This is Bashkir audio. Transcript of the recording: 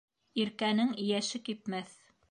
Иркәнең йәше кипмәҫ.